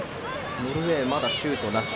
ノルウェーまだシュートなし。